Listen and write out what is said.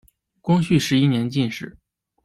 光绪十一年进士。